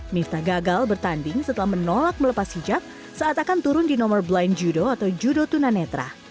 miftah gagal bertanding setelah menolak melepas hijab saat akan turun di nomor blind judo atau judo tunanetra